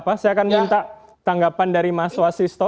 saya akan minta tanggapan dari mas wasisto